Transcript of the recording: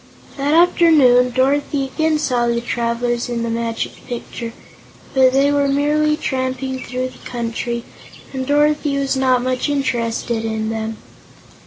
That afternoon Dorothy again saw the travelers in the Magic Picture, but they were merely tramping through the country and Dorothy was not much interested in them.